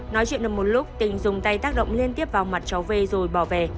nói chuyện được một lúc tình dùng tay tác động liên tiếp vào mặt cháu v rồi bỏ về